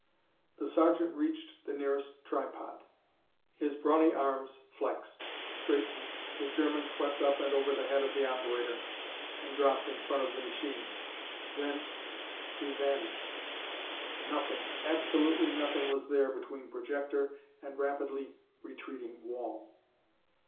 The sergeant reached the nearest tripod. His brawny arms flexed; straightened. The German swept up and over the head of the operator, and dropped in front of the machine. Then he vanished. Nothing, absolutely nothing, was there between projector and rapidly retreating wall!